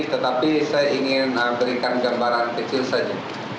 tetapi saya ingin berikan gambaran kecil saja